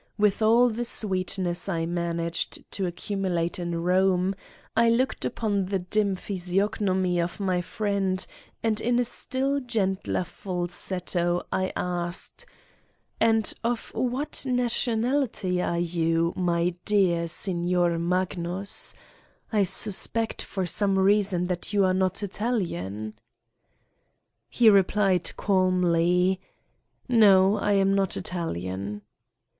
With all the sweetness I managed to accumulate in Borne, I looked upon the dim physiognomy of my friend and in a still gentler falsetto, I asked: "And of what nationality are you, my dear ... Signor Magnus? I suspect for some reason that you are not Italian?" He replied calmly: "No, I am not Italian."